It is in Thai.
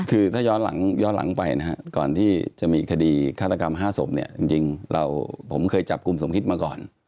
คือถ้าย้อนหลังไปนะฮะก่อนที่จะมีคดีฆาตกรรม๕ศพเนี่ยจริงเราผมเคยจับกลุ่มสมคิดมาก่อน